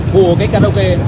của cái karaoke